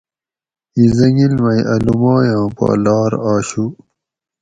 ایں حٔنگیل مئ اَ لومائ آں پا لار آشو